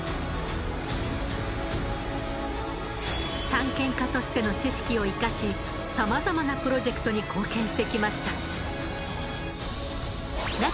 探検家としての知識を生かしさまざまなプロジェクトに貢献してきました。